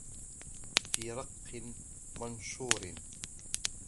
فِي رَقٍّ مَّنشُورٍ